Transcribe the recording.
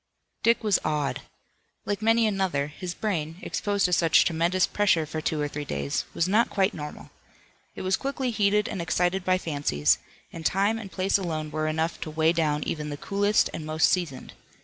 Dick was awed. Like many another his brain exposed to such tremendous pressure for two or three days, was not quite normal. It was quickly heated and excited by fancies, and time and place alone were enough to weigh down even the coolest and most seasoned.